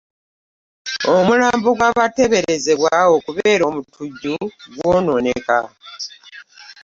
Omulambo gw'abateberezebwa okubeera omutujju gw'ononeka.